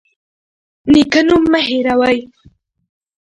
نیک نوم مه هیروئ.